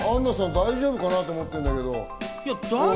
大丈夫かなと思ってるんだけど。